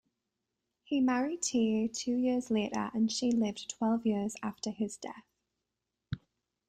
He married Tiye two years later and she lived twelve years after his death.